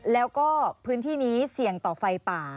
แล้วก็พื้นที่นี้เสี่ยงต่อไฟป่า